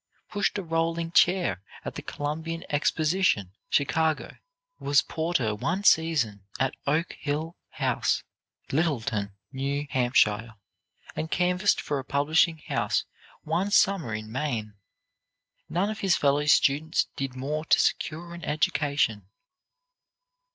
pushed a rolling chair at the Columbian Exposition, Chicago, was porter one season at Oak Hill House, Littleton, N. H., and canvassed for a publishing house one summer in Maine. None of his fellow students did more to secure an education.